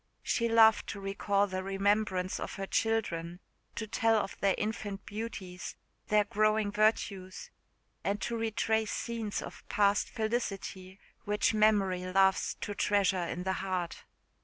She loved to recall the remembrance of her children to tell of their infant beauties, their growing virtues and to retrace scenes of past felicity which memory loves to treasure in the heart.